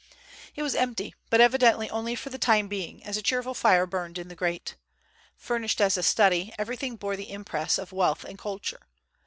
It was empty, but evidently only for the time being, as a cheerful fire burned in the grate. Furnished as a study, everything bore the impress of wealth and culture.